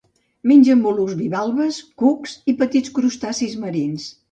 Mengen mol·luscs bivalves, cucs i petits crustacis marins.